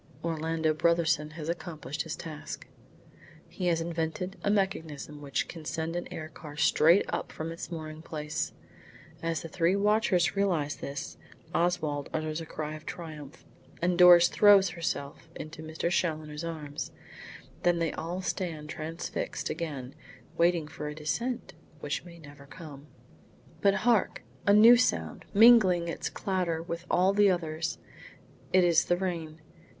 Orlando Brotherson has accomplished his task. He has invented a mechanism which can send an air car straight up from its mooring place. As the three watchers realise this, Oswald utters a cry of triumph, and Doris throws herself into Mr. Challoner's arms. Then they all stand transfixed again, waiting for a descent which may never come. But hark! a new sound, mingling its clatter with all the others. It is the rain.